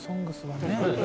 「ＳＯＮＧＳ」はね。